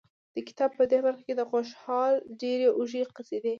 د کتاب په دې برخه کې د خوشحال ډېرې اوږې قصیدې